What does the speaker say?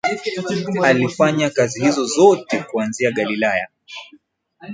Alifanya kazi hizo zote kuanzia Galilaya